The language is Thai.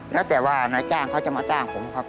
แล้วแต่ว่านายจ้างเขาจะมาจ้างผมครับ